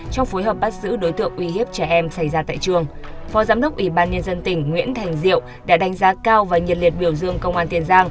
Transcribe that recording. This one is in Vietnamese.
trong phối hợp bắt giữ đối tượng uy hiếp trẻ em xảy ra tại trường